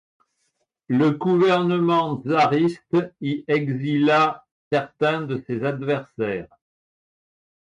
Le gouvernement tsariste y exila certains de ses adversaires.